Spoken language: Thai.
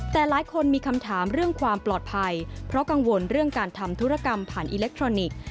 แต่หลายคนมีคำถามเรื่องความปลอดภัยเพราะกังวลเรื่องการทำธุรกรรมผ่านอิเล็กทรอนิกส์